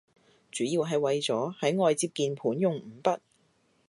主要係為咗喺外接鍵盤用五筆